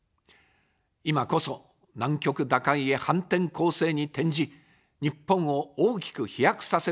今こそ、難局打開へ反転攻勢に転じ、日本を大きく飛躍させる時です。